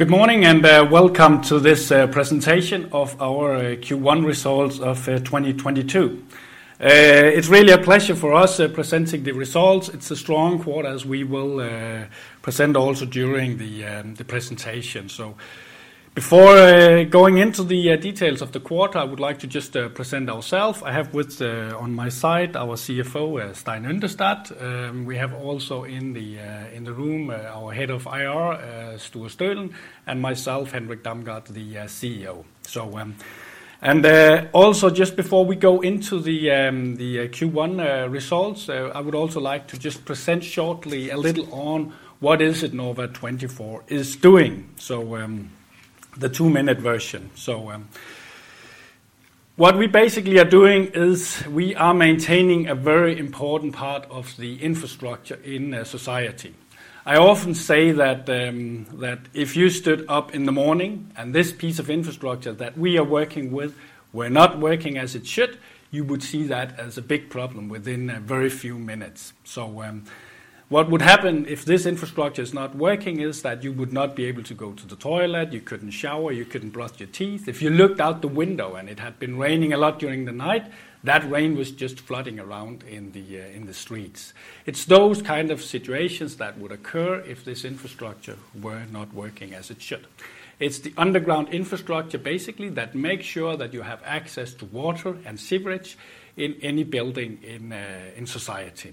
Good morning, Welcome to this Presentation of our Q1 Results of 2022. It's really a pleasure for us presenting the results. It's a strong quarter as we will present also during the presentation. Before going into the details of the quarter, I would like to just present ourselves. I have with on my side our CFO, Stein Yndestad. We have also in the room our Head of IR, Sture Stölen, and myself, Henrik Damgaard, the CEO. Also just before we go into the Q1 results, I would also like to just present shortly a little on what is it Norva24 is doing. The two-minute version. What we basically are doing is we are maintaining a very important part of the infrastructure in a society. I often say that if you stood up in the morning and this piece of infrastructure that we are working with were not working as it should, you would see that as a big problem within a very few minutes. What would happen if this infrastructure is not working is that you would not be able to go to the toilet, you couldn't shower, you couldn't brush your teeth. If you looked out the window and it had been raining a lot during the night, that rain was just flooding around in the streets. It's those kind of situations that would occur if this infrastructure were not working as it should. It's the underground infrastructure basically that makes sure that you have access to water and sewerage in any building in society.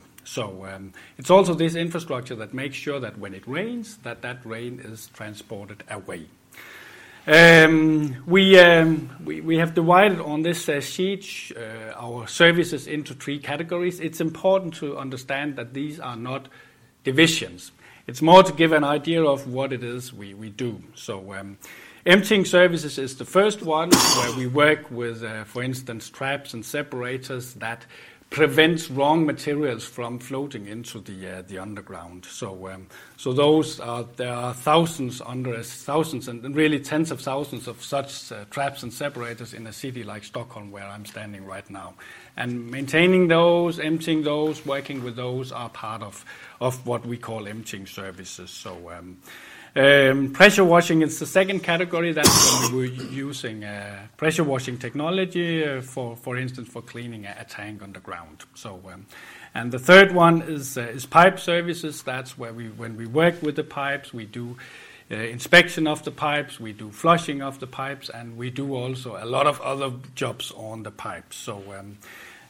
It's also this infrastructure that makes sure that when it rains, that rain is transported away. We have divided on this sheet our services into three categories. It's important to understand that these are not divisions. It's more to give an idea of what it is we do. Emptying services is the first one where we work with, for instance, traps and separators that prevents wrong materials from floating into the underground. Those are, there are thousands and really tens of thousands of such traps and separators in a city like Stockholm, where I'm standing right now. Maintaining those, emptying those, working with those are part of what we call emptying services. Pressure washing is the second category. That's when we're using pressure washing technology for instance for cleaning a tank underground. The third one is pipe services. That's where we when we work with the pipes, we do inspection of the pipes, we do flushing of the pipes, and we do also a lot of other jobs on the pipes.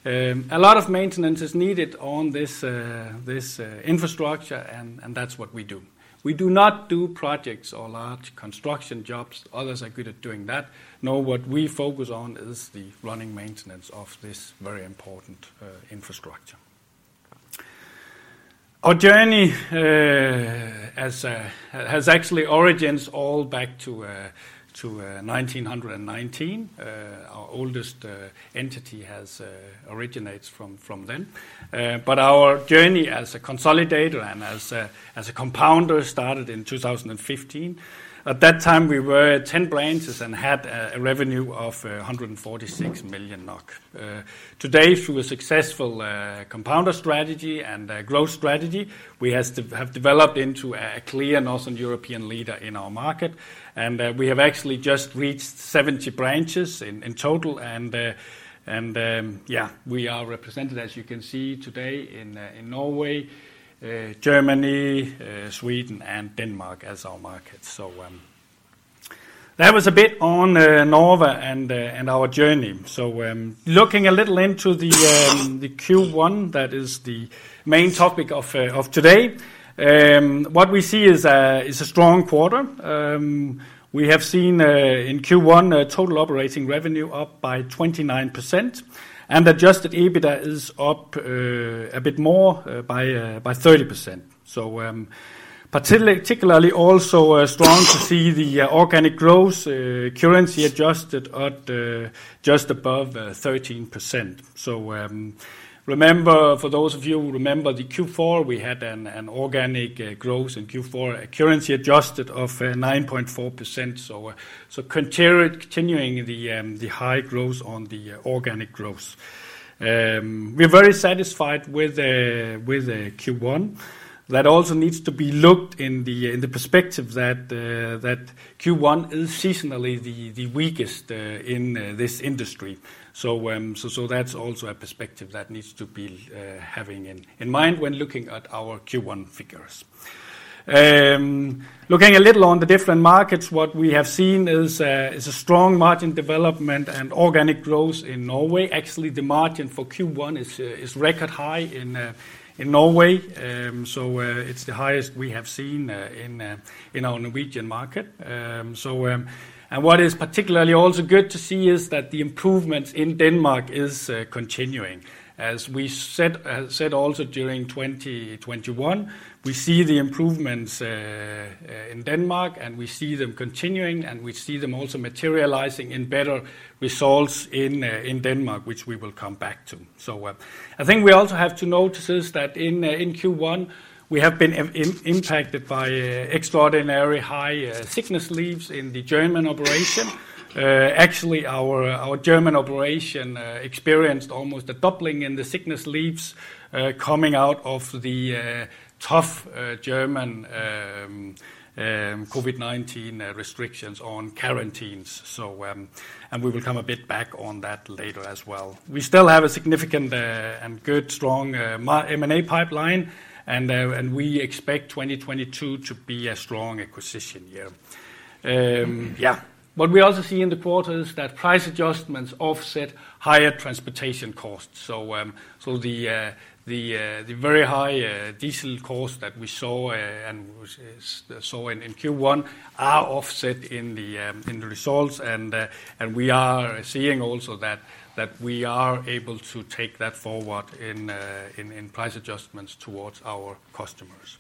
A lot of maintenance is needed on this infrastructure and that's what we do. We do not do projects or large construction jobs. Others are good at doing that. No, what we focus on is the running maintenance of this very important infrastructure. Our journey has its origins all back to 1919. Our oldest entity originates from then. Our journey as a consolidator and as a compounder started in 2015. At that time, we were 10 branches and had a revenue of 146 million NOK. Today, through a successful compounder strategy and a growth strategy, we have developed into a clear Northern European leader in our market. We have actually just reached 70 branches in total and we are represented, as you can see today, in Norway, Germany, Sweden and Denmark as our markets. That was a bit on Norva24 and our journey. Looking a little into the Q1, that is the main topic of today, what we see is a strong quarter. We have seen in Q1 a total operating revenue up by 29%, and Adjusted EBITDA is up a bit more by 30%. Particularly also strong to see the organic growth currency adjusted at just above 13%. Remember, for those of you who remember the Q4, we had an organic growth in Q4, a currency adjusted of 9.4%. Continuing the high growth on the organic growth. We're very satisfied with Q1. That also needs to be looked in the perspective that Q1 is seasonally the weakest in this industry. That's also a perspective that needs to be having in mind when looking at our Q1 figures. Looking a little on the different markets, what we have seen is a strong margin development and organic growth in Norway. Actually, the margin for Q1 is record high in Norway. It's the highest we have seen in our Norwegian market. What is particularly also good to see is that the improvements in Denmark is continuing. As we said also during 2021, we see the improvements in Denmark, and we see them continuing, and we see them also materializing in better results in Denmark, which we will come back to. A thing we also have to notice is that in Q1, we have been impacted by extraordinary high sickness leaves in the German operation. Actually, our German operation experienced almost a doubling in the sickness leaves coming out of the tough German COVID-19 restrictions on quarantines. We will come a bit back on that later as well. We still have a significant and good strong M&A pipeline, and we expect 2022 to be a strong acquisition year. What we also see in the quarter is that price adjustments offset higher transportation costs. The very high diesel costs that we saw in Q1 are offset in the results and we are seeing also that we are able to take that forward in price adjustments towards our customers.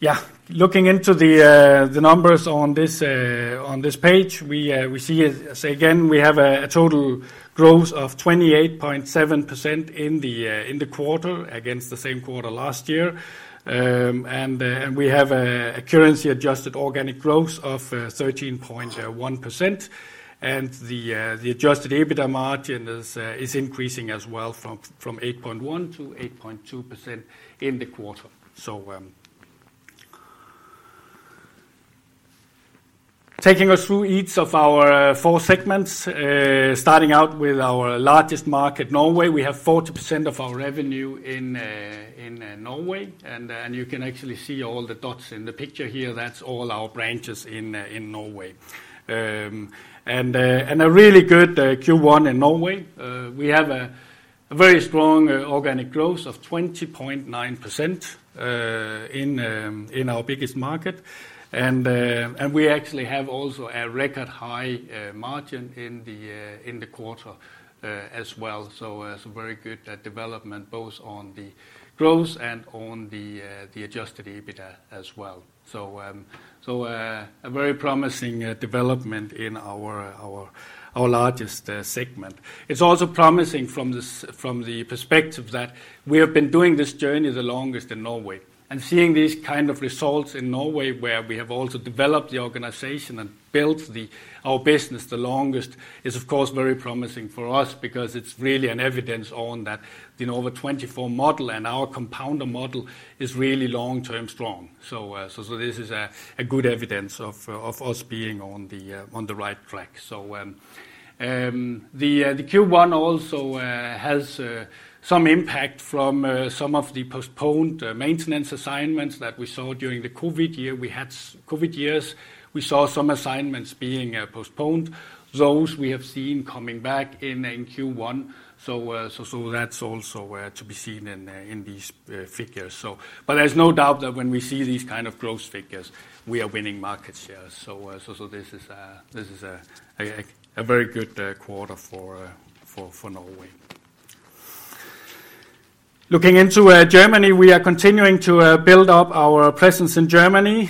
Yeah. Looking into the numbers on this page, we see, as again, we have a total growth of 28.7% in the quarter against the same quarter last year. We have a currency-adjusted organic growth of 13.1%. The Adjusted EBITDA margin is increasing as well from 8.1%-8.2% in the quarter. Taking us through each of our four segments, starting out with our largest market, Norway. We have 40% of our revenue in Norway, and you can actually see all the dots in the picture here. That's all our branches in Norway. A really good Q1 in Norway. We have a very strong organic growth of 20.9% in our biggest market. We actually have also a record high margin in the quarter as well. Very good development both on the growth and on the Adjusted EBITDA as well. A very promising development in our largest segment. It's also promising from the perspective that we have been doing this journey the longest in Norway, and seeing these kind of results in Norway, where we have also developed the organization and built our business the longest, is of course very promising for us because it's really an evidence on that, you know, the 24 model and our compounder model is really long-term strong. This is a good evidence of us being on the right track. The Q1 also has some impact from some of the postponed maintenance assignments that we saw during the COVID year. We had COVID years, we saw some assignments being postponed. Those we have seen coming back in Q1. That's also to be seen in these figures. There's no doubt that when we see these kind of growth figures, we are winning market shares. This is a very good quarter for Norway. Looking into Germany, we are continuing to build up our presence in Germany.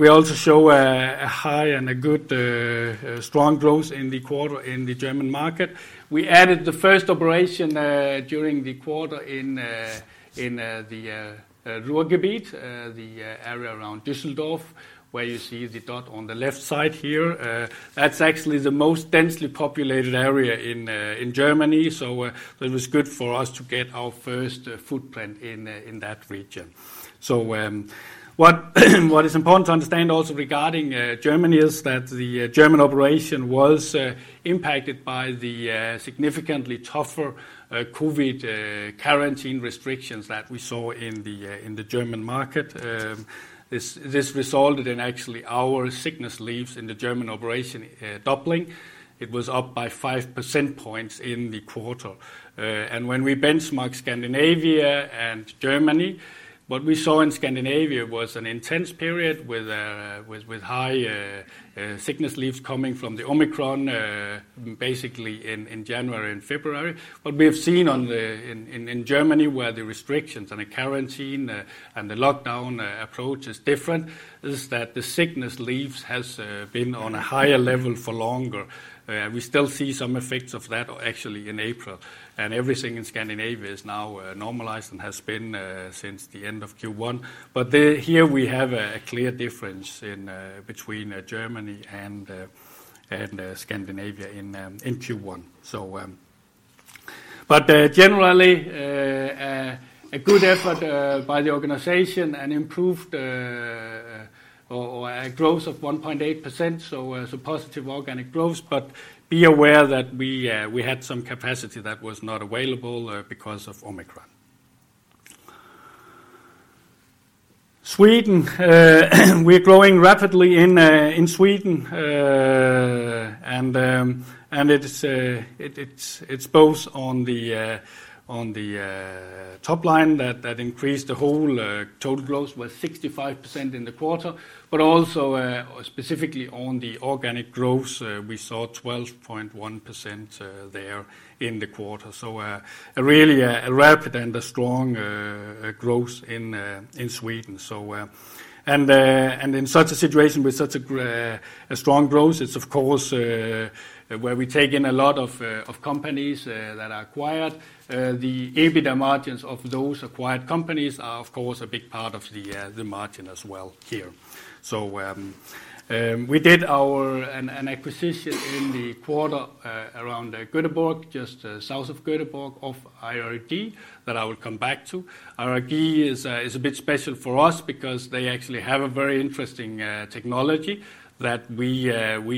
We also show a high and a good strong growth in the quarter in the German market. We added the first operation during the quarter in the Ruhrgebiet, the area around Düsseldorf, where you see the dot on the left side here. That's actually the most densely populated area in Germany. It was good for us to get our first footprint in that region. What is important to understand also regarding Germany is that the German operation was impacted by the significantly tougher COVID quarantine restrictions that we saw in the German market. This resulted in actually our sickness leaves in the German operation doubling. It was up by five percentage points in the quarter. When we benchmark Scandinavia and Germany, what we saw in Scandinavia was an intense period with high sickness leaves coming from the Omicron, basically in January and February. What we have seen in Germany, where the restrictions and the quarantine and the lockdown approach is different, is that the sickness leaves has been on a higher level for longer. We still see some effects of that actually in April. Everything in Scandinavia is now normalized and has been since the end of Q1. Here we have a clear difference between Germany and Scandinavia in Q1. Generally, a good effort by the organization and improved or a growth of 1.8%, so positive organic growth, but be aware that we had some capacity that was not available because of Omicron. Sweden. We're growing rapidly in Sweden, and it's both on the top line that increased the total growth with 65% in the quarter, but also specifically on the organic growth, we saw 12.1% there in the quarter. Really a rapid and a strong growth in Sweden. In such a situation with such a strong growth, it's of course where we take in a lot of companies that are acquired. The EBITDA margins of those acquired companies are of course a big part of the margin as well here. We did an acquisition in the quarter around Göteborg, just south of Göteborg, of IRG, that I will come back to. IRG is a bit special for us because they actually have a very interesting technology that we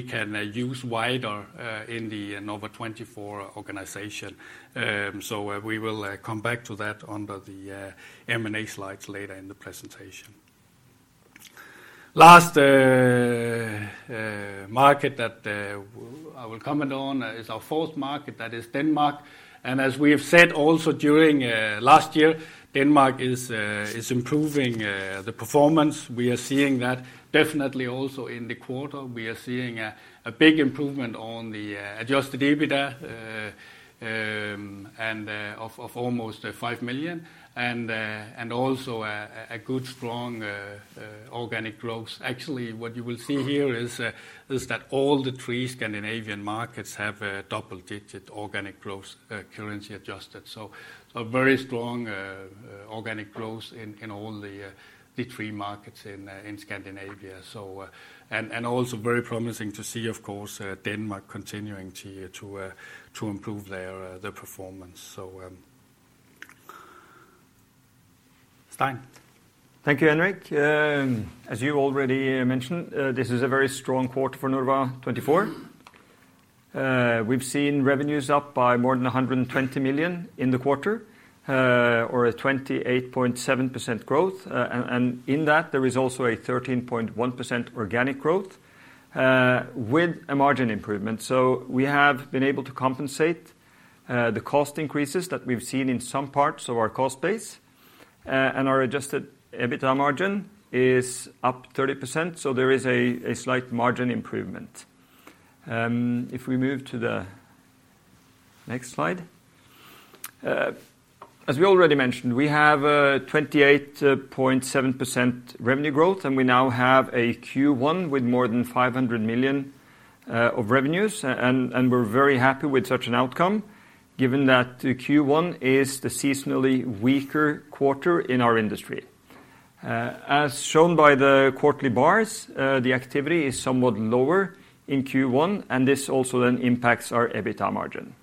can use wider in the Norva24 organization. We will come back to that under the M&A slides later in the presentation. Last market that I will comment on is our fourth market, that is Denmark. As we have said also during last year, Denmark is improving the performance. We are seeing that definitely also in the quarter. We are seeing a big improvement on the Adjusted EBITDA of almost 5 million and also a good strong organic growth. Actually, what you will see here is that all the three Scandinavian markets have a double-digit organic growth, currency adjusted. A very strong organic growth in all the three markets in Scandinavia. And also very promising to see, of course, Denmark continuing to improve their performance. Stein. Thank you, Henrik. As you already mentioned, this is a very strong quarter for Norva24. We've seen revenues up by more than 120 million in the quarter, or a 28.7% growth. In that there is also a 13.1% organic growth, with a margin improvement. We have been able to compensate the cost increases that we've seen in some parts of our cost base. Our Adjusted EBITDA margin is up 30%, so there is a slight margin improvement. If we move to the next slide. As we already mentioned, we have a 28.7% revenue growth, and we now have a Q1 with more than 500 million of revenues. We're very happy with such an outcome given that Q1 is the seasonally weaker quarter in our industry. As shown by the quarterly bars, the activity is somewhat lower in Q1, and this also then impacts our EBITDA margin.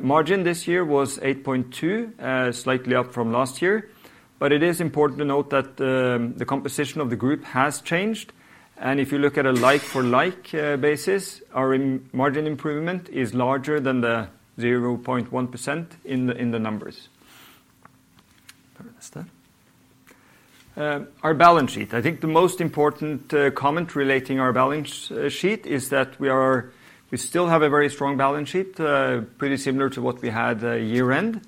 Margin this year was 8.2%, slightly up from last year, but it is important to note that the composition of the group has changed. If you look at a like-for-like basis, our margin improvement is larger than the 0.1% in the numbers. Where is that? Our balance sheet. I think the most important comment relating to our balance sheet is that we still have a very strong balance sheet, pretty similar to what we had at year-end.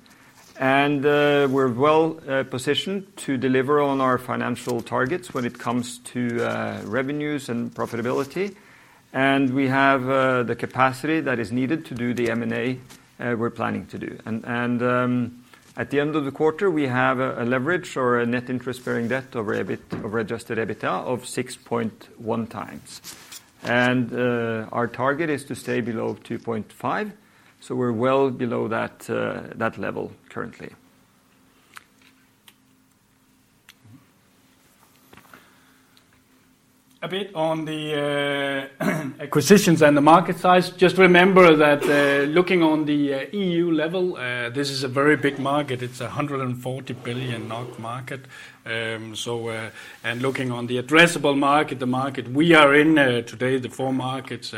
We're well positioned to deliver on our financial targets when it comes to revenues and profitability. We have the capacity that is needed to do the M&A we're planning to do. At the end of the quarter, we have a leverage or a net interest-bearing debt over Adjusted EBITDA of 6.1x. Our target is to stay below 2.5x, so we're well below that level currently. A bit on the acquisitions and the market size. Just remember that, looking on the EU level, this is a very big market. It's a 140 billion NOK market. Looking on the addressable market, the market we are in, today, the four markets,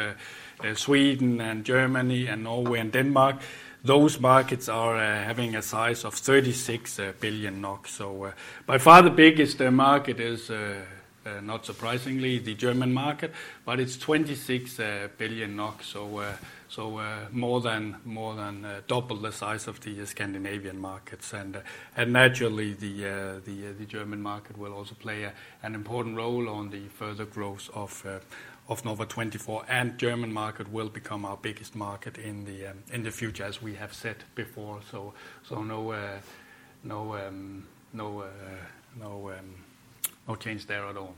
Sweden and Germany and Norway and Denmark, those markets are having a size of 36 billion NOK. By far the biggest market is, not surprisingly, the German market, but it's 26 billion NOK, so, more than double the size of the Scandinavian markets. Naturally, the German market will also play an important role on the further growth of Norva24. German market will become our biggest market in the future, as we have said before. No change there at all.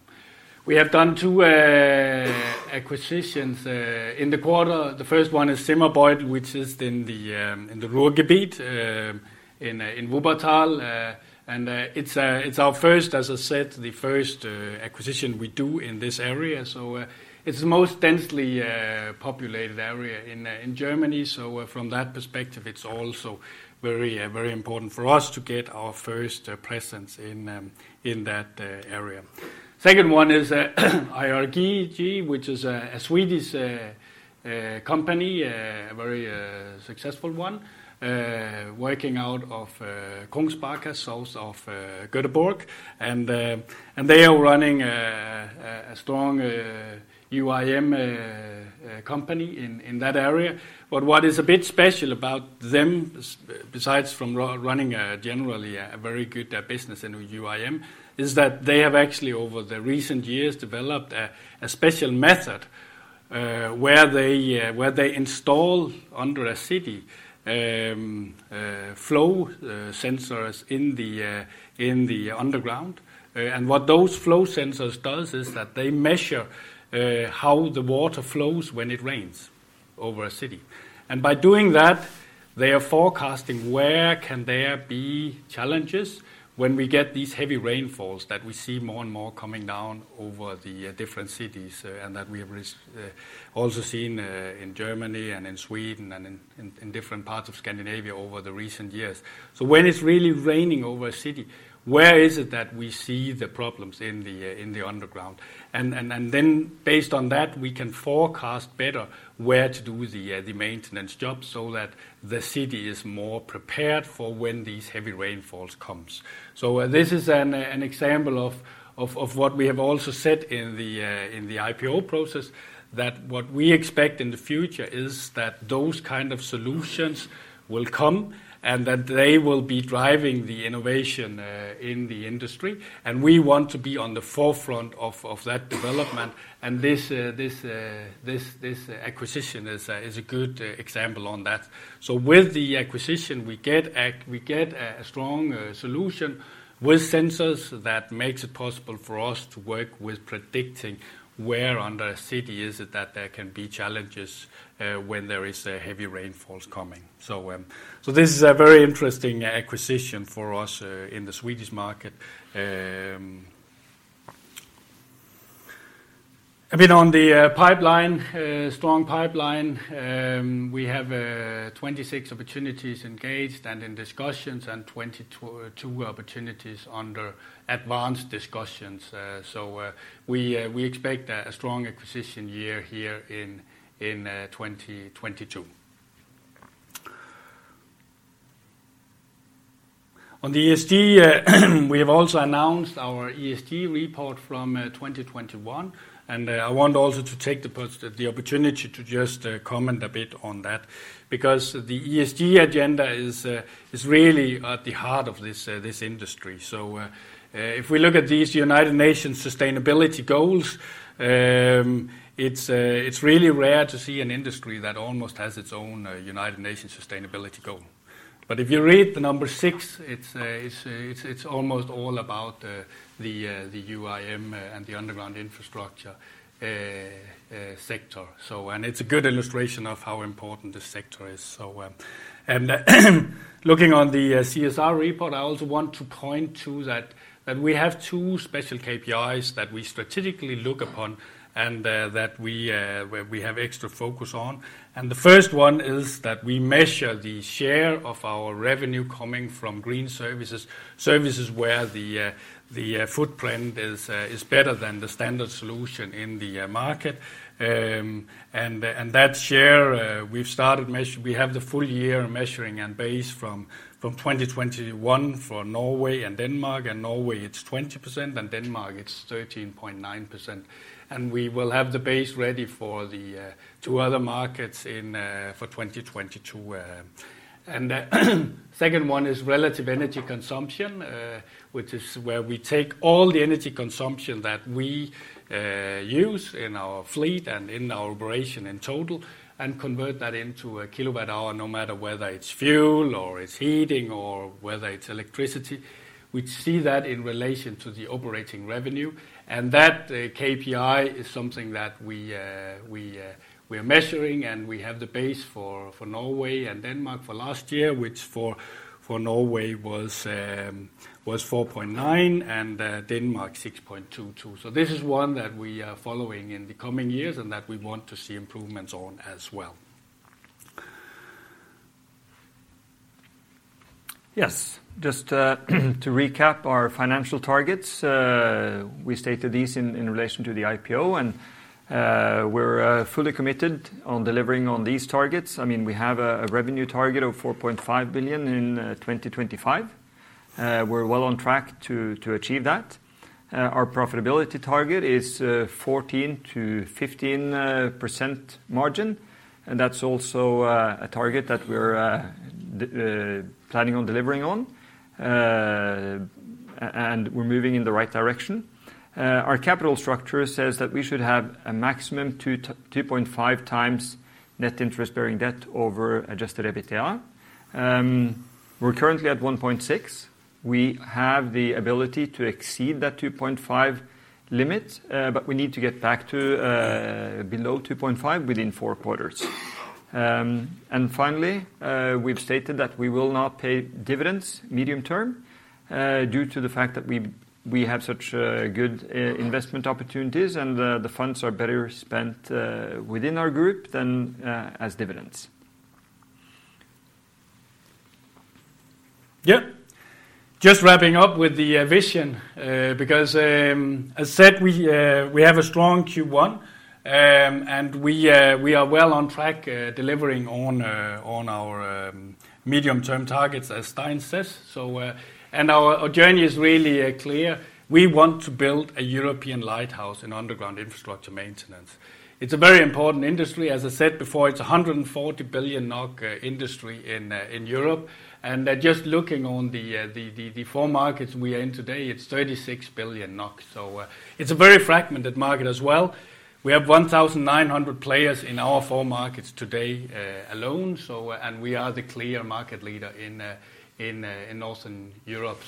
We have done two acquisitions in the quarter. The first one is Zimmerbeutel, which is in the Ruhrgebiet in Wuppertal. It's our first acquisition in this area, as I said. It's the most densely populated area in Germany. From that perspective, it's also very important for us to get our first presence in that area. Second one is IRG, which is a Swedish company, very successful one, working out of Kungsbacka, south of Göteborg. They are running a strong UIM company in that area. What is a bit special about them besides from running a generally very good business in UIM is that they have actually over the recent years developed a special method where they install under a city flow sensors in the underground. What those flow sensors does is that they measure how the water flows when it rains over a city. By doing that, they are forecasting where can there be challenges when we get these heavy rainfalls that we see more and more coming down over the different cities, and that we have also seen in Germany and in Sweden and in different parts of Scandinavia over the recent years. When it's really raining over a city, where is it that we see the problems in the underground? Based on that, we can forecast better where to do the maintenance job, so that the city is more prepared for when these heavy rainfalls comes. This is an example of what we have also said in the IPO process, that what we expect in the future is that those kind of solutions will come, and that they will be driving the innovation in the industry. We want to be on the forefront of that development. This acquisition is a good example on that. With the acquisition, we get a strong solution with sensors that makes it possible for us to work with predicting where under a city is it that there can be challenges when there is a heavy rainfalls coming. This is a very interesting acquisition for us in the Swedish market. I mean, on the pipeline, strong pipeline, we have 26 opportunities engaged and in discussions, and 22 opportunities under advanced discussions. We expect a strong acquisition year here in 2022. On the ESG, we have also announced our ESG report from 2021, and I want also to take the opportunity to just comment a bit on that because the ESG agenda is really at the heart of this industry. If we look at these United Nations sustainability goals, it's really rare to see an industry that almost has its own United Nations sustainability goal. If you read the number six, it's almost all about the UIM and the underground infrastructure sector. It's a good illustration of how important this sector is. Looking on the CSR report, I also want to point to that we have two special KPIs that we strategically look upon and where we have extra focus on. The first one is that we measure the share of our revenue coming from green services where the footprint is better than the standard solution in the market. That share, we have the full year measuring and baseline from 2021 for Norway and Denmark. In Norway it's 20%, in Denmark it's 13.9%. We will have the base ready for the two other markets in 2022. The second one is relative energy consumption, which is where we take all the energy consumption that we use in our fleet and in our operation in total and convert that into a kilowatt hour, no matter whether it's fuel or it's heating or whether it's electricity. We see that in relation to the operating revenue, and that KPI is something that we are measuring, and we have the base for Norway and Denmark for last year, which for Norway was 4.9, and Denmark 6.22. This is one that we are following in the coming years and that we want to see improvements on as well. Yes. Just to recap our financial targets, we stated these in relation to the IPO and we're fully committed on delivering on these targets. I mean, we have a revenue target of 4.5 billion in 2025. We're well on track to achieve that. Our profitability target is 14%-15% margin, and that's also a target that we're planning on delivering on. We're moving in the right direction. Our capital structure says that we should have a maximum 2.5x net interest-bearing debt over Adjusted EBITDA. We're currently at 1.6x. We have the ability to exceed that 2.5x limit, but we need to get back to below 2.5x within four quarters. Finally, we've stated that we will not pay dividends medium term, due to the fact that we have such good investment opportunities and the funds are better spent within our group than as dividends. Yeah. Just wrapping up with the vision, because, as said, we have a strong Q1, and we are well on track delivering on our medium-term targets, as Stein says. Our journey is really clear. We want to build a European lighthouse in underground infrastructure maintenance. It's a very important industry. As I said before, it's 140 billion NOK industry in Europe. Just looking on the four markets we are in today, it's 36 billion NOK. It's a very fragmented market as well. We have 1,900 players in our four markets today, alone. We are the clear market leader in Northern Europe.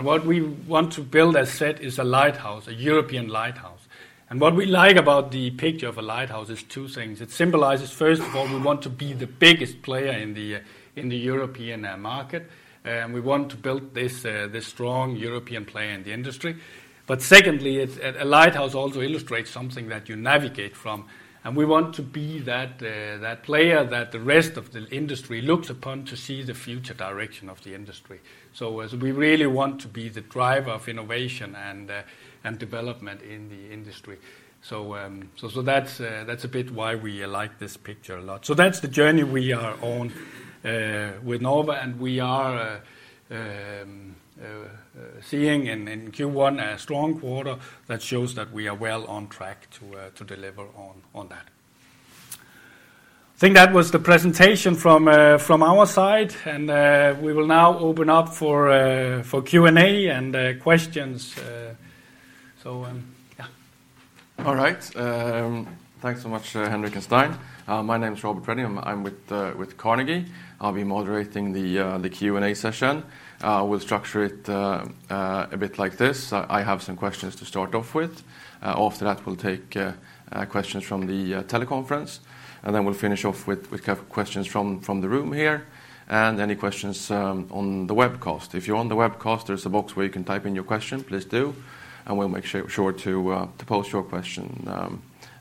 What we want to build, as said, is a lighthouse, a European lighthouse. What we like about the picture of a lighthouse is two things. It symbolizes, first of all, we want to be the biggest player in the European market, and we want to build this strong European player in the industry. Secondly, it's a lighthouse also illustrates something that you navigate from, and we want to be that player that the rest of the industry looks upon to see the future direction of the industry. As we really want to be the driver of innovation and development in the industry. That's a bit why we like this picture a lot. That's the journey we are on with Norva24, and we are seeing in Q1 a strong quarter that shows that we are well on track to deliver on that. I think that was the presentation from our side, and we will now open up for Q&A and questions. Yeah. All right. Thanks so much, Henrik and Stein. My name's Robert Redin. I'm with Carnegie. I'll be moderating the Q&A session. We'll structure it a bit like this. I have some questions to start off with. After that, we'll take questions from the teleconference, and then we'll finish off with questions from the room here and any questions on the webcast. If you're on the webcast, there's a box where you can type in your question, please do, and we'll make sure to pose your question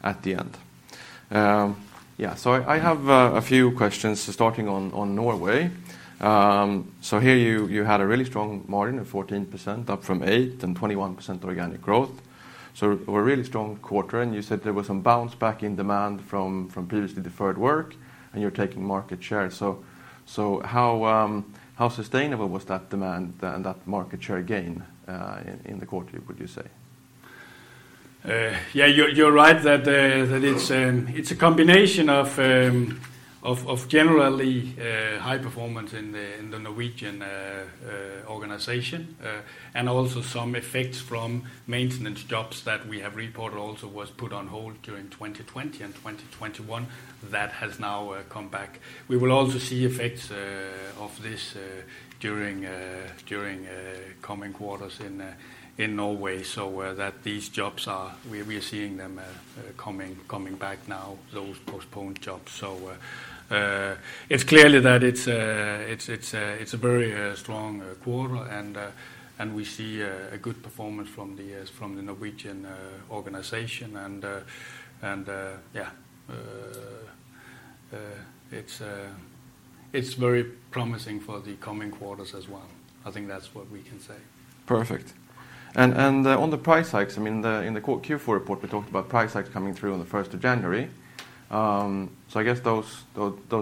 at the end. Yeah, so I have a few questions starting on Norway. Here, you had a really strong margin of 14% up from 8% and 21% organic growth, a really strong quarter. You said there was some bounce back in demand from previously deferred work, and you're taking market share. How sustainable was that demand and that market share gain in the quarter, would you say? Yeah, you're right that it's a combination of generally high performance in the Norwegian organization and also some effects from maintenance jobs that we have reported also was put on hold during 2020 and 2021. That has now come back. We will also see effects of this during coming quarters in Norway, so that these jobs are. We are seeing them coming back now, those postponed jobs. It's clearly that it's a very strong quarter, and we see a good performance from the Norwegian organization. Yeah. It's very promising for the coming quarters as well. I think that's what we can say. Perfect. On the price hikes, I mean, in the Q4 report, we talked about price hikes coming through on the first of January. So I guess those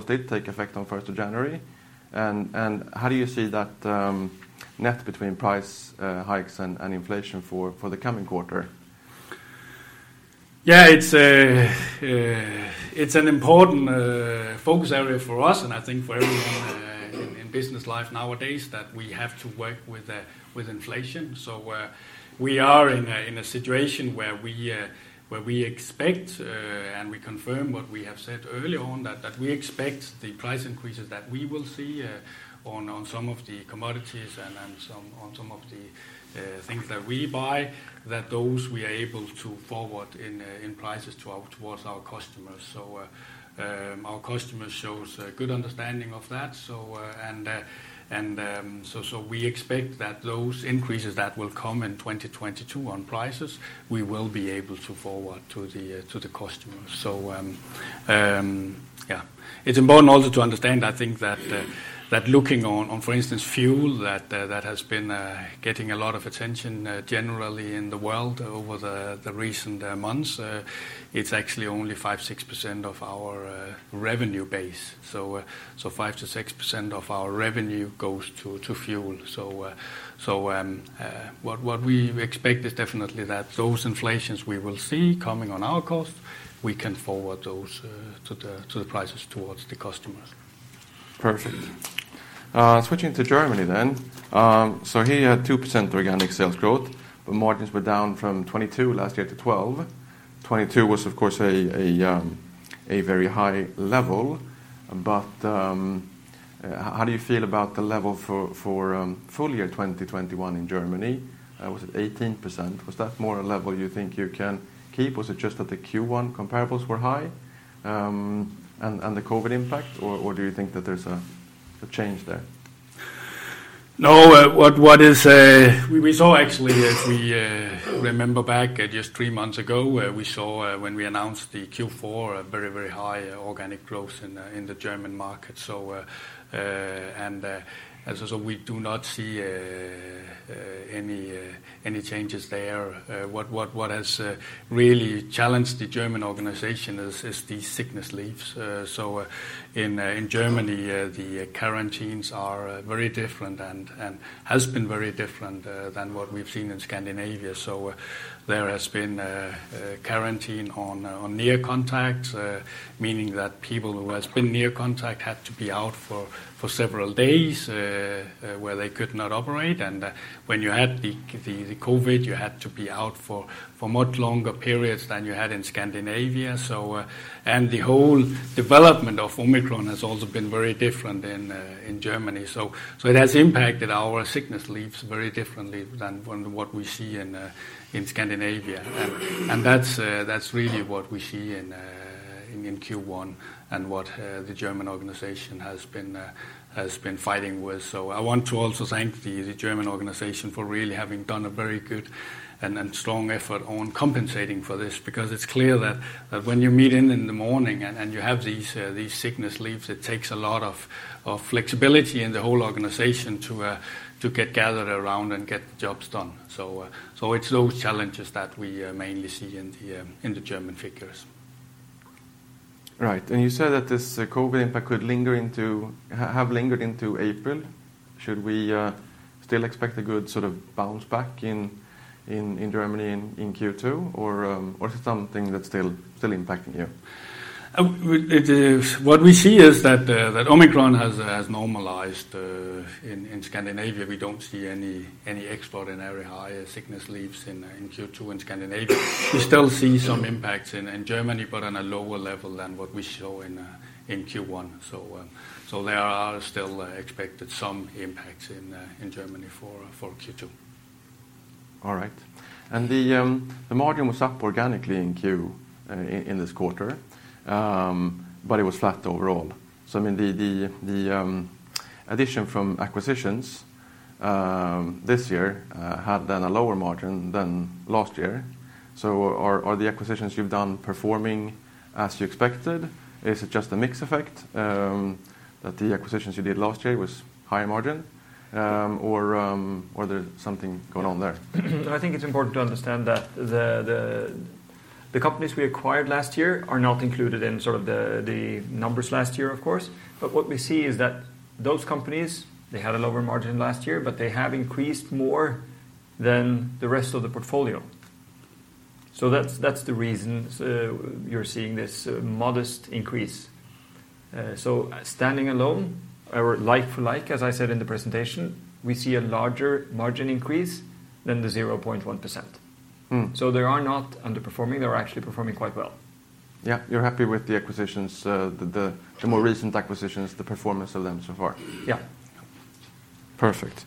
did take effect on first of January. How do you see that net between price hikes and inflation for the coming quarter? It's an important focus area for us, and I think for everyone in business life nowadays, that we have to work with inflation. We are in a situation where we expect and we confirm what we have said early on that we expect the price increases that we will see on some of the commodities and some of the things that we buy, that those we are able to forward in prices towards our customers. Our customers shows a good understanding of that. We expect that those increases that will come in 2022 on prices, we will be able to forward to the customers. It's important also to understand, I think, that looking on for instance, fuel, that has been getting a lot of attention generally in the world over the recent months. It's actually only 5%, 6% of our revenue base. 5%-6% of our revenue goes to fuel. What we expect is definitely that those inflations we will see coming on our cost, we can forward those to the prices towards the customers. Perfect. Switching to Germany. So here you had 2% organic sales growth, but margins were down from 22% last year to 12%. 22% was of course a very high level, but how do you feel about the level for full year 2021 in Germany? Was it 18%? Was that more a level you think you can keep? Was it just that the Q1 comparables were high, and the COVID impact, or do you think that there's a change there? No. We saw actually as we remember back just three months ago, we saw when we announced the Q4 a very, very high organic growth in the German market. As I said, we do not see any changes there. What has really challenged the German organization is the sick leave. In Germany, the quarantines are very different and has been very different than what we've seen in Scandinavia. There has been quarantine on near contact, meaning that people who has been near contact had to be out for several days where they could not operate. When you had the COVID, you had to be out for much longer periods than you had in Scandinavia. The whole development of Omicron has also been very different in Germany. It has impacted our sickness leaves very differently than what we see in Scandinavia. That's really what we see in Q1 and what the German organization has been fighting with. I want to also thank the German organization for really having done a very good and strong effort on compensating for this, because it's clear that when you meet in the morning and you have these sickness leaves, it takes a lot of flexibility in the whole organization to get gathered around and get the jobs done. It's those challenges that we mainly see in the German figures. Right. You said that this COVID impact could have lingered into April. Should we still expect a good sort of bounce back in Germany in Q2, or is it something that's still impacting you? What we see is that Omicron has normalized in Scandinavia. We don't see any extraordinary high sickness leaves in Q2 in Scandinavia. We still see some impacts in Germany, but on a lower level than what we saw in Q1. There are still expected some impacts in Germany for Q2. All right. The margin was up organically in this quarter. It was flat overall. I mean, the addition from acquisitions this year had then a lower margin than last year. Are the acquisitions you've done performing as you expected? Is it just a mix effect that the acquisitions you did last year was higher margin, or is there something going on there? I think it's important to understand that the companies we acquired last year are not included in sort of the numbers last year, of course. What we see is that those companies, they had a lower margin last year, but they have increased more than the rest of the portfolio. That's the reason you're seeing this modest increase. Standing alone or like for like, as I said in the presentation, we see a larger margin increase than the 0.1%. They are not underperforming, they're actually performing quite well. Yeah. You're happy with the acquisitions. The more recent acquisitions, the performance of them so far? Yeah. Perfect.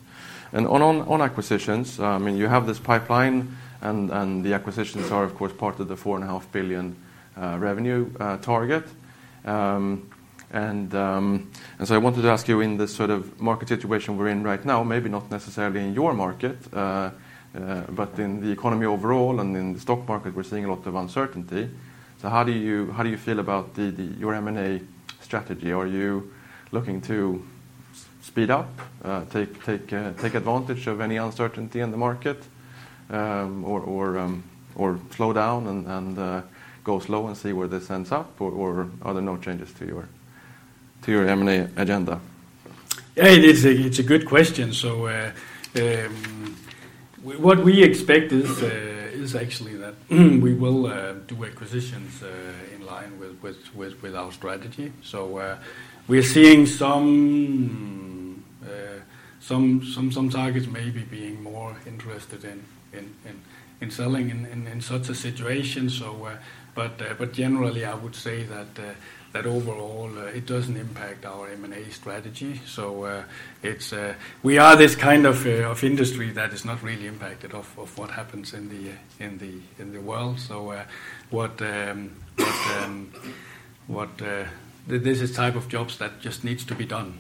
On acquisitions, I mean, you have this pipeline and the acquisitions are of course part of the 4.5 billion revenue target. I wanted to ask you, in the sort of market situation we're in right now, maybe not necessarily in your market, but in the economy overall and in the stock market, we're seeing a lot of uncertainty, so how do you feel about your M&A strategy? Are you looking to speed up, take advantage of any uncertainty in the market, or slow down and go slow and see where this ends up or are there no changes to your M&A agenda? Yeah, it's a good question. What we expect is actually that we will do acquisitions in line with our strategy. We're seeing some targets maybe being more interested in selling in such a situation. Generally I would say that overall it doesn't impact our M&A strategy. It's we are this kind of industry that is not really impacted off of what happens in the world. What this is type of jobs that just needs to be done.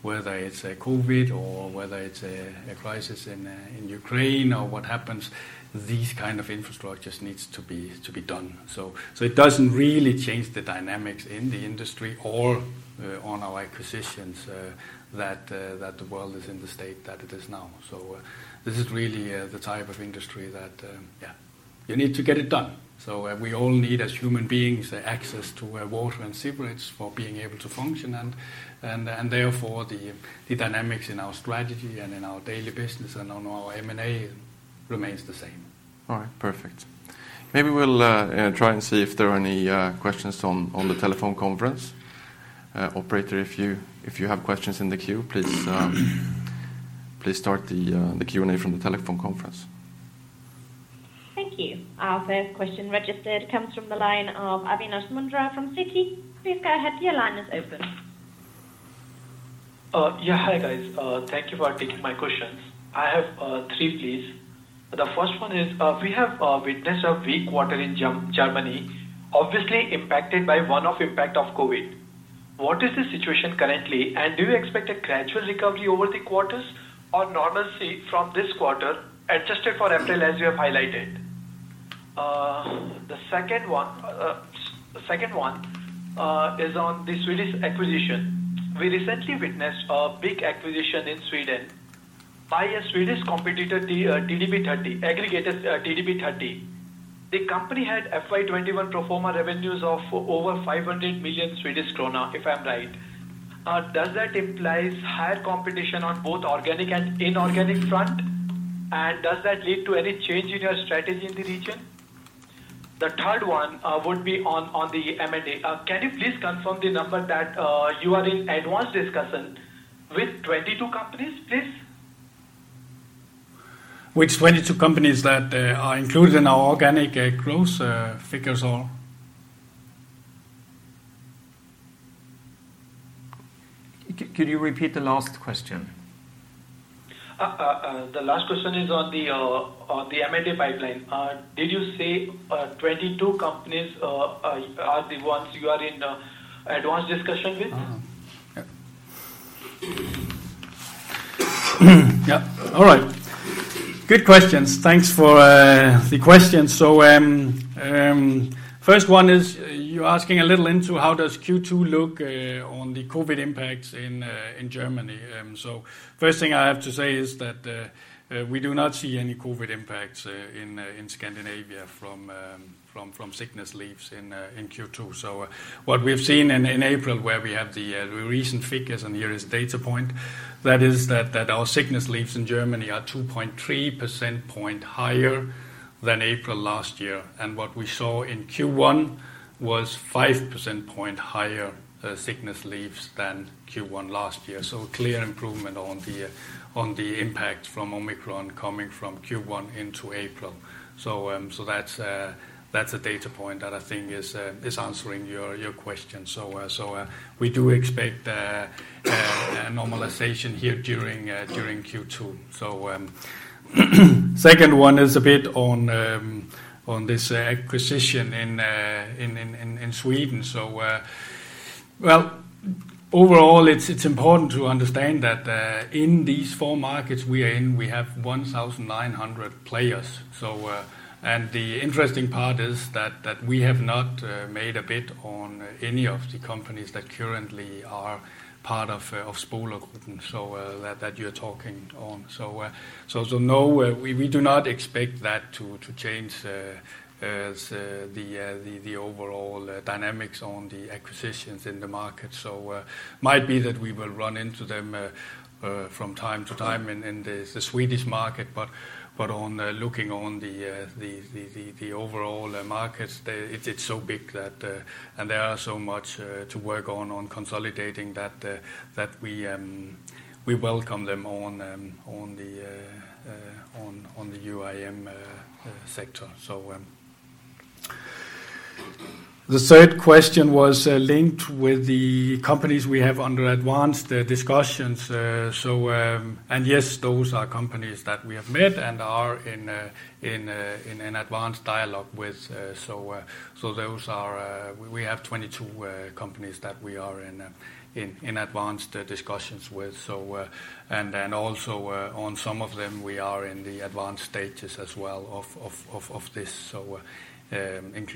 Whether it's COVID or whether it's a crisis in Ukraine or what happens, these kind of infrastructures needs to be done. It doesn't really change the dynamics in the industry or on our acquisitions that the world is in the state that it is now. This is really the type of industry that, yeah, you need to get it done. We all need, as human beings, access to water and sewerage for being able to function and therefore, the dynamics in our strategy and in our daily business and on our M&A remains the same. All right. Perfect. Maybe we'll try and see if there are any questions on the telephone conference. Operator, if you have questions in the queue, please start the Q&A from the telephone conference. Thank you. Our first question registered comes from the line of Avinash Mundhra from Citi. Please go ahead, your line is open. Yeah. Hi, guys. Thank you for taking my questions. I have three please. The first one is, we have witnessed a weak quarter in Germany, obviously impacted by one-off impact of COVID. What is the situation currently, and do you expect a gradual recovery over the quarters or normalcy from this quarter, adjusted for April as you have highlighted? The second one is on the Swedish acquisition. We recently witnessed a big acquisition in Sweden by a Swedish competitor, the TBD30 aggregator, TBD30. The company had FY21 pro forma revenues of over NOK 500 million, if I'm right. Does that implies higher competition on both organic and inorganic front? And does that lead to any change in your strategy in the region? The third one would be on the M&A. Can you please confirm the number that you are in advanced discussion with 22 companies, please? Which 22 companies that are included in our organic growth figures or? Could you repeat the last question? The last question is on the M&A pipeline. Did you say 22 companies are the ones you are in advanced discussion with? Yeah. Yeah. All right. Good questions. Thanks for the questions. First one is you're asking a little into how does Q2 look on the COVID impacts in Germany. First thing I have to say is that we do not see any COVID impacts in Scandinavia from sickness leaves in Q2. What we've seen in April, where we have the recent figures, and here is data point, that our sickness leaves in Germany are 2.3 percentage points higher than April last year. What we saw in Q1 was five percentage points higher sickness leaves than Q1 last year. Clear improvement on the impact from Omicron coming from Q1 into April. That's a data point that I think is answering your question. We do expect normalization here during Q2. Second one is a bit on this acquisition in Sweden. Well, overall, it's important to understand that in these four markets we are in, we have 1,900 players. The interesting part is that we have not made a bid on any of the companies that currently are part of Spolargruppen, so that you're talking about. No, we do not expect that to change the overall dynamics on the acquisitions in the market. Might be that we will run into them from time to time in the Swedish market. On looking on the overall markets, it's so big that and there are so much to work on consolidating that we welcome them on the UIM sector. The third question was linked with the companies we have under advanced discussions. Yes, those are companies that we have met and are in an advanced dialogue with. Those are, we have 22 companies that we are in advanced discussions with. Also, on some of them, we are in the advanced stages as well of this. It's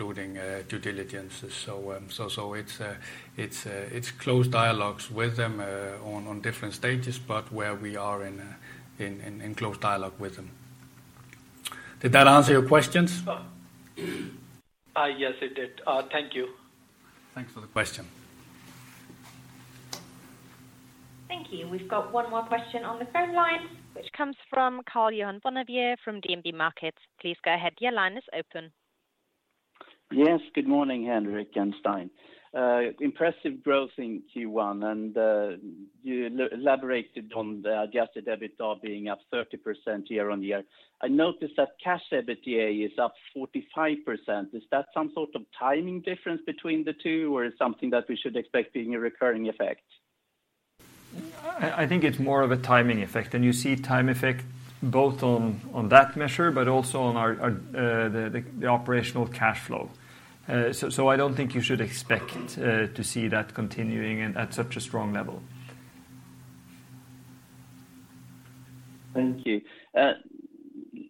close dialogues with them on different stages, but where we are in close dialogue with them. Did that answer your questions? Yes, it did. Thank you. Thanks for the question. Thank you. We've got one more question on the phone line, which comes from Karl-Johan Bonnevier from DNB Markets. Please go ahead. Your line is open. Yes. Good morning, Henrik and Stein. Impressive growth in Q1, and you elaborated on the Adjusted EBITDA being up 30% year-over-year. I noticed that cash EBITDA is up 45%. Is that some sort of timing difference between the two, or is it something that we should expect being a recurring effect? I think it's more of a timing effect. You see timing effect both on that measure, but also on our operational cash flow. I don't think you should expect to see that continuing at such a strong level. Thank you.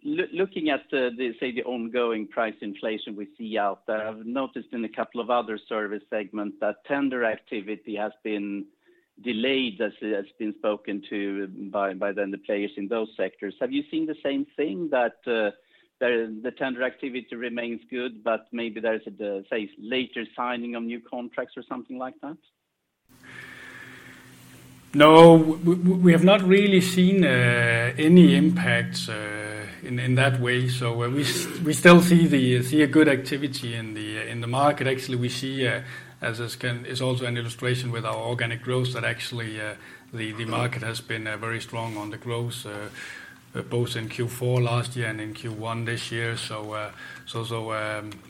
Looking at, say, the ongoing price inflation we see out there, I've noticed in a couple of other service segments that tender activity has been delayed, as has been spoken to by the players in those sectors. Have you seen the same thing that the tender activity remains good, but maybe there is a, say, later signing of new contracts or something like that? No, we have not really seen any impacts in that way. We still see a good activity in the market. Actually, this is also an illustration with our organic growth that actually, the market has been very strong on the growth both in Q4 last year and in Q1 this year.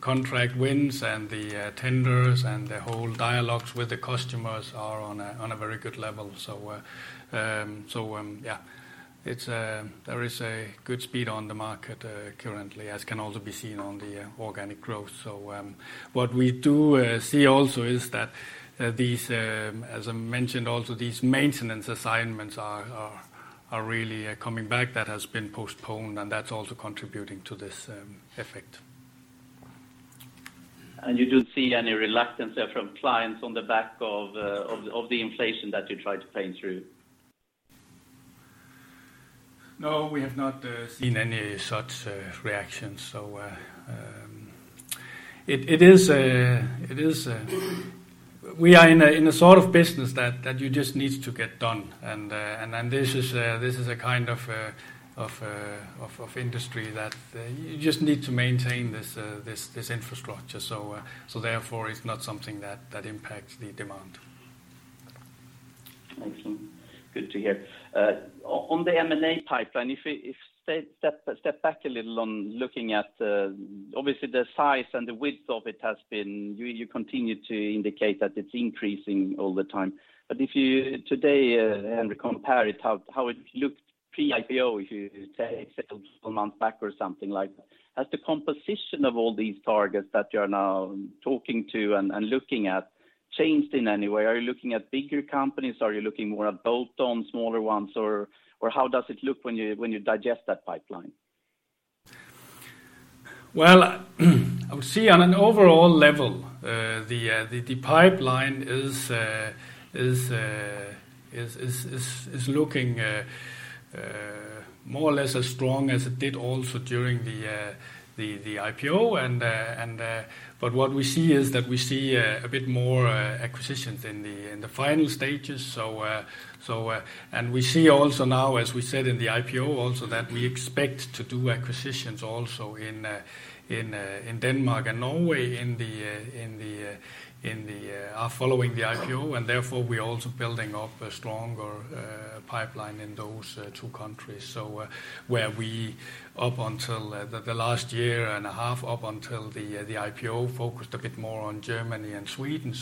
Contract wins and the tenders and the whole dialogues with the customers are on a very good level. There is a good speed on the market currently, as can also be seen on the organic growth. What we do see also is that these, as I mentioned also, these maintenance assignments are really coming back that has been postponed, and that's also contributing to this effect. You don't see any reluctance from clients on the back of the inflation that you try to play through? No, we have not seen any such reactions. It is. We are in a sort of business that you just need to get done. This is a kind of industry that you just need to maintain this infrastructure. Therefore, it's not something that impacts the demand. Excellent. Good to hear. On the M&A pipeline, if you step back a little and looking at obviously the size and the width of it has been. You continue to indicate that it's increasing all the time. Today, if you compare it to how it looked pre-IPO, if you take several months back or something like that. Has the composition of all these targets that you're now talking to and looking at? Has it changed in any way? Are you looking at bigger companies? Are you looking more at bolt-on smaller ones? Or how does it look when you digest that pipeline? Well, I would say on an overall level, the pipeline is looking more or less as strong as it did also during the IPO and. What we see is that we see a bit more acquisitions in the final stages. We see also now, as we said in the IPO also that we expect to do acquisitions also in Denmark and Norway in the following the IPO. Therefore, we're also building up a stronger pipeline in those two countries. We were up until the last year and a half, up until the IPO, focused a bit more on Germany and Sweden.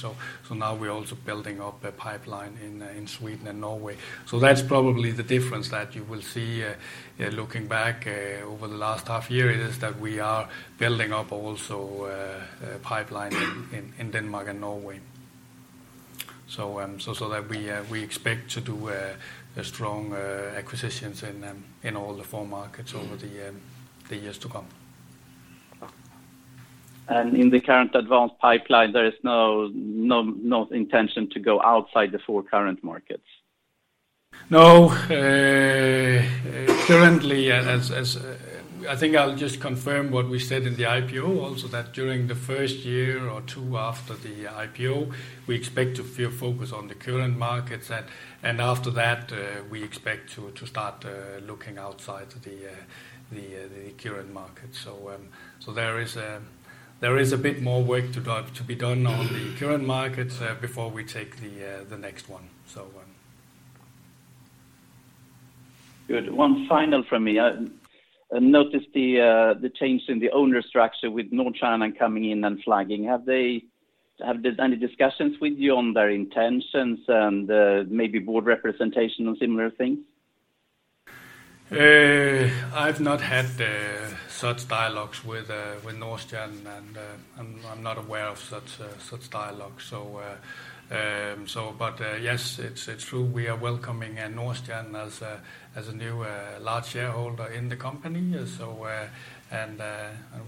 Now we're also building up a pipeline in Sweden and Norway. That's probably the difference that you will see looking back over the last half year, is that we are building up also pipeline in Denmark and Norway, so that we expect to do strong acquisitions in all the four markets over the years to come. In the current acquisition pipeline, there is no intention to go outside the four current markets? No, currently, I think I'll just confirm what we said in the IPO also, that during the first year or two after the IPO, we expect to focus on the current markets. After that, we expect to start looking outside the current market. There is a bit more work to be done on the current markets before we take the next one. Good. One final from me. I noticed the change in the ownership structure with Nordstjernan coming in and flagging. Have there been any discussions with you on their intentions and maybe board representation or similar things? I've not had such dialogues with Nordstjernan, and I'm not aware of such dialogue. Yes, it's true, we are welcoming Nordstjernan as a new large shareholder in the company.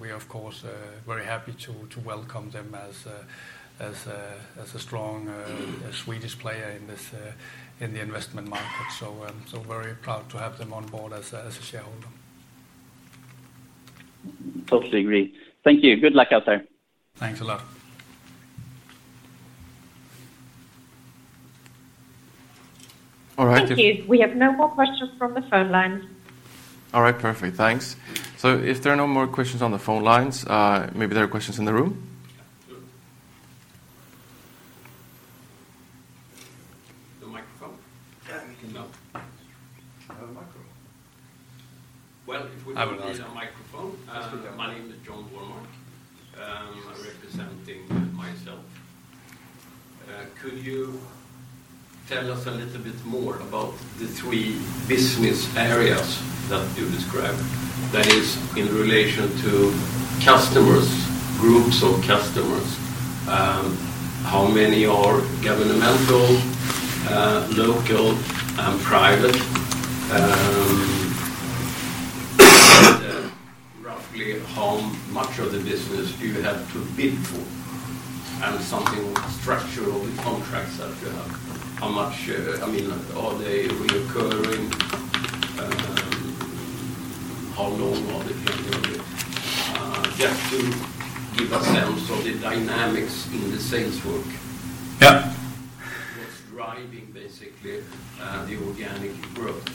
We of course are very happy to welcome them as a strong Swedish player in the investment market. Very proud to have them on board as a shareholder. Totally agree. Thank you. Good luck out there. Thanks a lot. All right. Thank you. We have no more questions from the phone lines. All right. Perfect. Thanks. If there are no more questions on the phone lines, maybe there are questions in the room. Yeah, sure. The microphone? Yeah. No. I have a micro. Well, if we don't need a microphone. That's good then. My name is John Warmark, representing myself. Could you tell us a little bit more about the three business areas that you described? That is in relation to customers, groups of customers. How many are governmental, local and private? Then roughly how much of the business do you have to bid for? Something structural, the contracts that you have, how much, I mean, are they recurring? How long are they committed? Just to give a sense of the dynamics in the sales work. Yeah. What's driving basically the organic growth?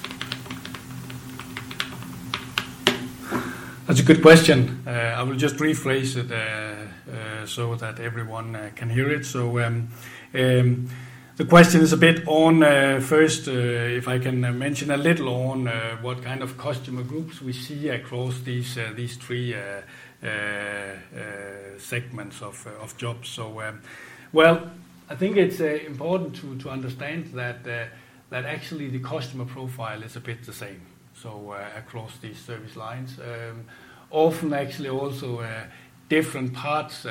That's a good question. I will just rephrase it, so that everyone can hear it. The question is a bit on, first, if I can mention a little on, what kind of customer groups we see across these three segments of jobs. Well, I think it's important to understand that actually the customer profile is a bit the same, so across these service lines. Often actually also different parts.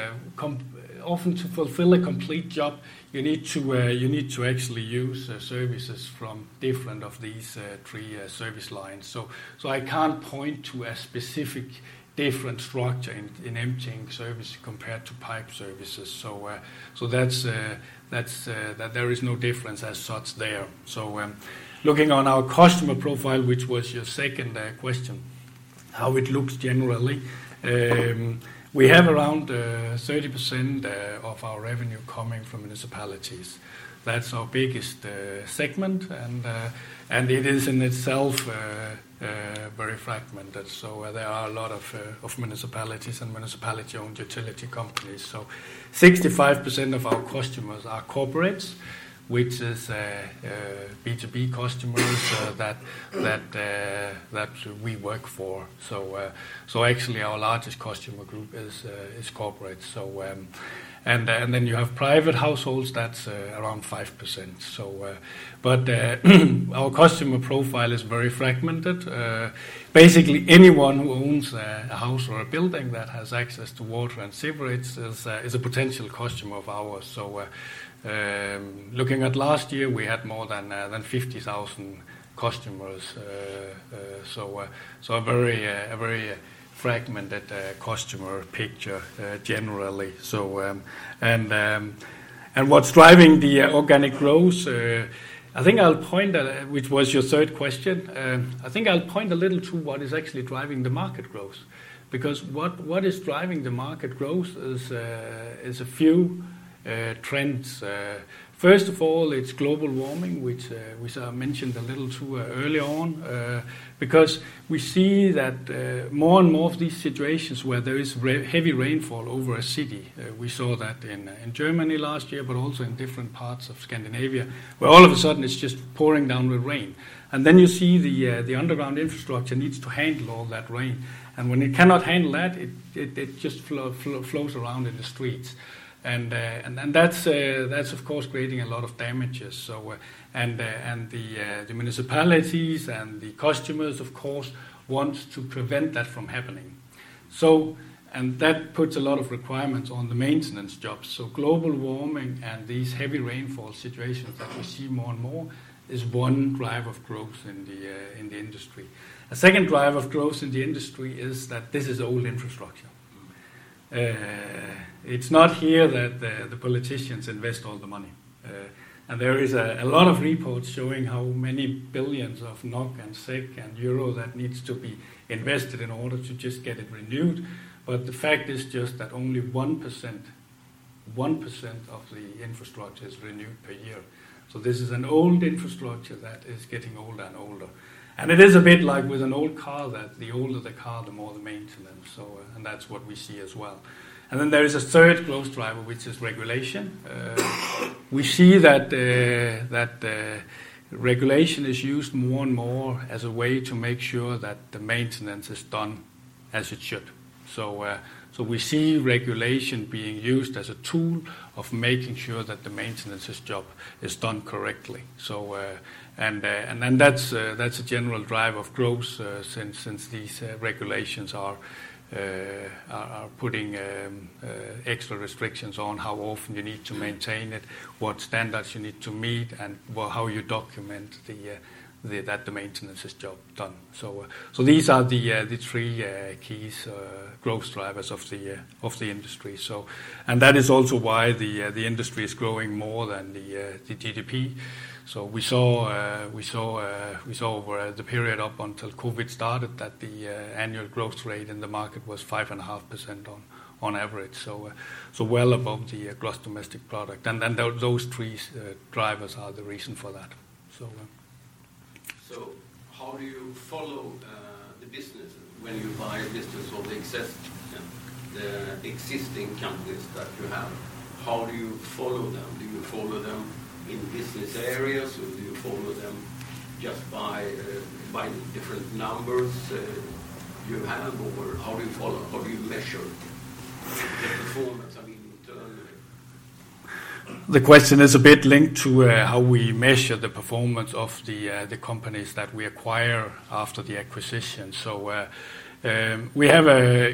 Often to fulfill a complete job, you need to actually use services from different of these three service lines. I can't point to a specific different structure in emptying services compared to pipe services. There is no difference as such there. Looking on our customer profile, which was your second question, how it looks generally. We have around 30% of our revenue coming from municipalities. That's our biggest segment. It is in itself very fragmented. There are a lot of municipalities and municipality-owned utility companies. 65% of our customers are corporates, which is B2B customers that we work for. Actually our largest customer group is corporate. You have private households, that's around 5%. Our customer profile is very fragmented. Basically anyone who owns a house or a building that has access to water and sewerage is a potential customer of ours. Looking at last year, we had more than 50,000 customers. A very fragmented customer picture, generally. What's driving the organic growth, I think I'll point that, which was your third question. I think I'll point a little to what is actually driving the market growth, because what is driving the market growth is a few trends. First of all, it's global warming, which I mentioned a little too early on, because we see that more and more of these situations where there is heavy rainfall over a city. We saw that in Germany last year, but also in different parts of Scandinavia, where all of a sudden it's just pouring down with rain. Then you see the underground infrastructure needs to handle all that rain. When it cannot handle that, it just flows around in the streets. That's of course creating a lot of damages. The municipalities and the customers, of course, want to prevent that from happening. That puts a lot of requirements on the maintenance jobs. Global warming and these heavy rainfall situations that we see more and more is one driver of growth in the industry. A second driver of growth in the industry is that this is old infrastructure. It's not here that the politicians invest all the money. There is a lot of reports showing how many billions of NOK and SEK and euro that needs to be invested in order to just get it renewed. The fact is just that only 1% of the infrastructure is renewed per year. This is an old infrastructure that is getting older and older. It is a bit like with an old car, that the older the car, the more the maintenance. That's what we see as well. There is a third growth driver, which is regulation. We see that regulation is used more and more as a way to make sure that the maintenance is done as it should. We see regulation being used as a tool of making sure that the maintenance's job is done correctly. That's a general driver of growth, since these regulations are putting extra restrictions on how often you need to maintain it, what standards you need to meet, and, well, how you document that the maintenance job is done. These are the three key growth drivers of the industry. That is also why the industry is growing more than the GDP. We saw over the period up until COVID started that the annual growth rate in the market was 5.5% on average. Well above the gross domestic product. Those three drivers are the reason for that. How do you follow the businesses when you buy business or the existing companies that you have? How do you follow them? Do you follow them in business areas or do you follow them just by different numbers you have or how do you follow, how do you measure the performance? I mean, internally. The question is a bit linked to how we measure the performance of the companies that we acquire after the acquisition. We have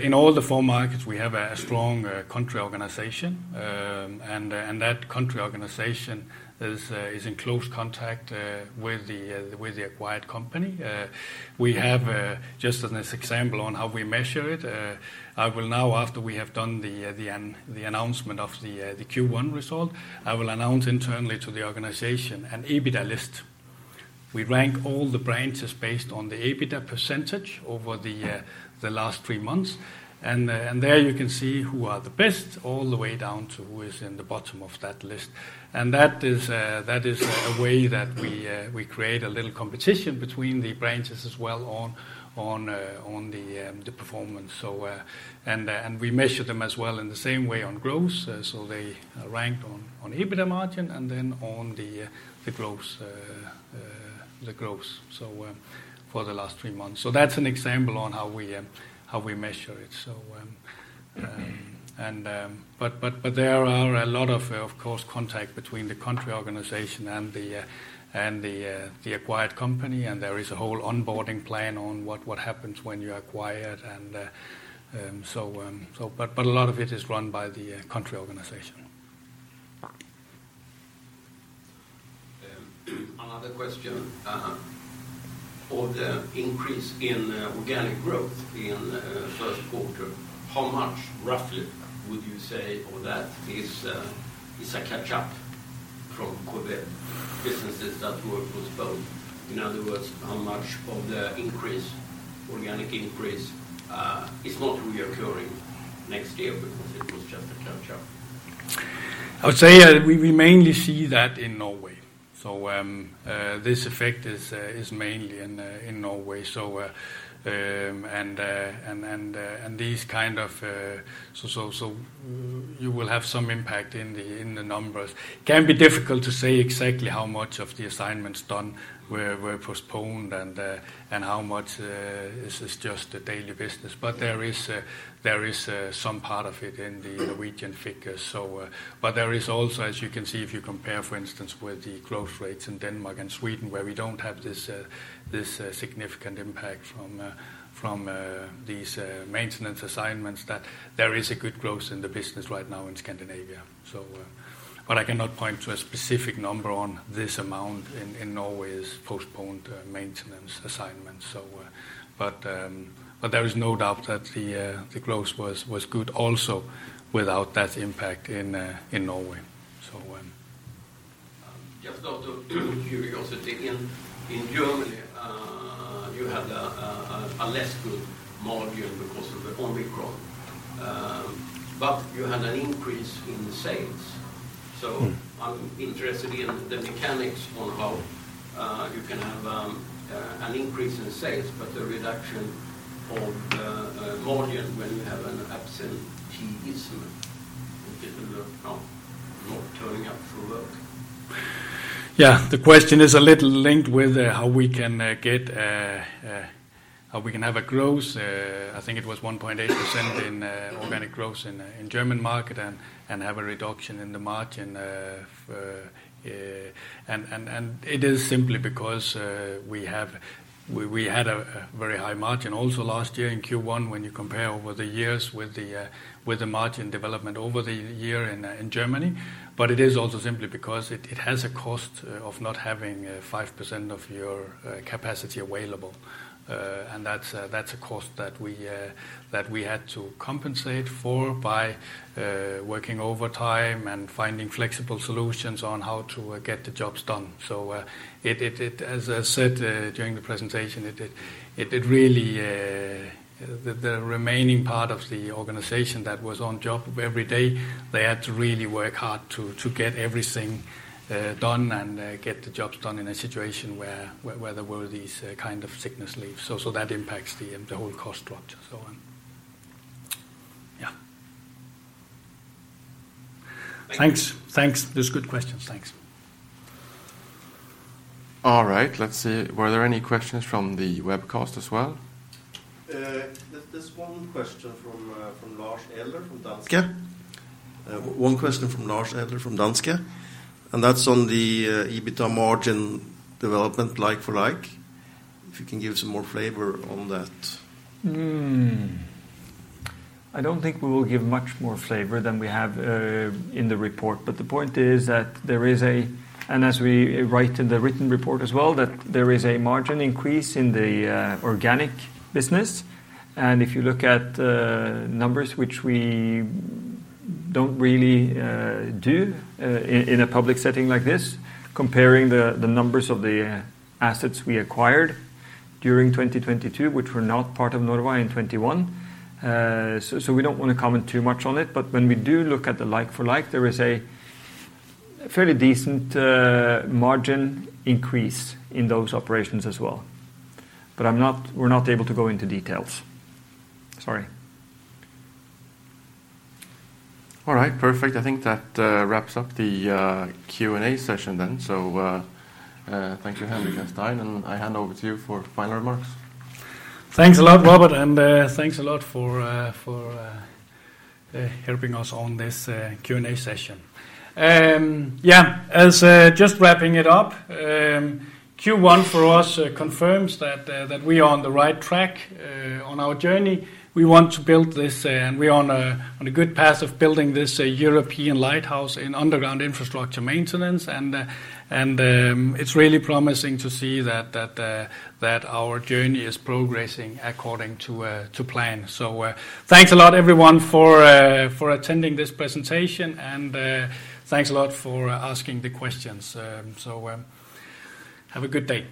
in all the four markets, we have a strong country organization. That country organization is in close contact with the acquired company. We have just as an example on how we measure it. I will now after we have done the announcement of the Q1 result, I will announce internally to the organization an EBITDA list. We rank all the branches based on the EBITDA percentage over the last three months. There you can see who are the best, all the way down to who is in the bottom of that list. That is a way that we create a little competition between the branches as well on the performance. We measure them as well in the same way on growth. They rank on EBITDA margin and then on the growth for the last three months. That's an example on how we measure it. There are a lot of course, contact between the country organization and the acquired company, and there is a whole onboarding plan on what happens when you acquire it. A lot of it is run by the country organization. Another question. Of the increase in organic growth in Q1, how much roughly would you say of that is a catch up from COVID businesses that were postponed? In other words, how much of the increase, organic increase, is not recurring next year because it was just a catch up? I would say, we mainly see that in Norway. This effect is mainly in Norway. You will have some impact in the numbers. It can be difficult to say exactly how much of the assignments done were postponed and how much is just the daily business. There is some part of it in the Norwegian figures. There is also, as you can see, if you compare, for instance, with the growth rates in Denmark and Sweden, where we don't have this significant impact from these maintenance assignments that there is a good growth in the business right now in Scandinavia. I cannot point to a specific number on this amount in Norway's postponed maintenance assignment. There is no doubt that the growth was good also without that impact in Norway. Just out of curiosity. In Germany, you had a less good margin because of the Omicron. You had an increase in sales. I'm interested in the mechanics on how you can have an increase in sales but a reduction of margin when you have absenteeism, people who are not turning up for work. Yeah. The question is a little linked with how we can have a growth, I think it was 1.8% in organic growth in German market and have a reduction in the margin. It is simply because we had a very high margin also last year in Q1 when you compare over the years with the margin development over the year in Germany. It is also simply because it has a cost of not having 5% of your capacity available. That's a cost that we had to compensate for by working overtime and finding flexible solutions on how to get the jobs done. As I said during the presentation, it did really the remaining part of the organization that was on job every day. They had to really work hard to get everything done and get the jobs done in a situation where there were these kind of sickness leave. That impacts the whole cost structure. Yeah. Thank you. Thanks. That's good questions. Thanks. All right. Let's see. Were there any questions from the webcast as well? There's one question from Lars Ladefoged from Danske, and that's on the EBITDA margin development like for like, if you can give some more flavor on that. I don't think we will give much more flavor than we have in the report. The point is that there is a margin increase in the organic business. If you look at numbers, which we don't really do in a public setting like this, comparing the numbers of the assets we acquired during 2022, which were not part of Norva24 in 2021. We don't wanna comment too much on it, but when we do look at the like for like, there is a fairly decent margin increase in those operations as well. I'm not. We're not able to go into details. Sorry. All right. Perfect. I think that wraps up the Q&A session then. Thank you, Henrik and Stein, and I hand over to you for final remarks. Thanks a lot, Robert, and thanks a lot for helping us on this Q&A session. Yeah, as just wrapping it up, Q1 for us confirms that we are on the right track on our journey. We want to build this, and we're on a good path of building this European lighthouse in underground infrastructure maintenance. It's really promising to see that our journey is progressing according to plan. Thanks a lot everyone for attending this presentation, and thanks a lot for asking the questions. Have a good day.